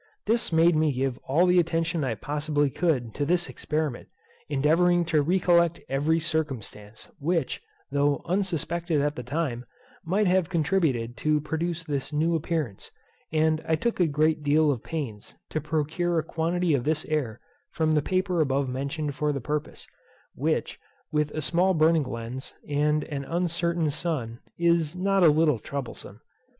This made me give all the attention I possibly could to this experiment, endeavouring to recollect every circumstance, which, though unsuspected at the time, might have contributed to produce this new appearance; and I took a great deal of pains to procure a quantity of this air from the paper above mentioned for the purpose, which, with a small burning lens, and an uncertain sun, is not a little troublesome.